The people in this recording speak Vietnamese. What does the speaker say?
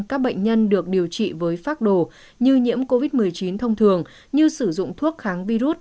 các bệnh nhân được điều trị với phác đồ như nhiễm covid một mươi chín thông thường như sử dụng thuốc kháng virus